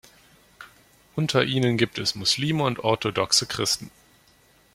Unter ihnen gibt es Muslime und orthodoxe Christen.